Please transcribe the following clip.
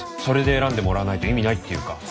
それで選んでもらわないと意味ないっていうか。